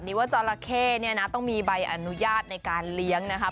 อันนี้ว่าเจ้าระเข้ต้องมีใบอนุญาตในการเลี้ยงนะครับ